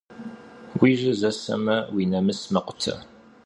Уи жьэ зэсэмэ, уи нэмыс мэкъутэ.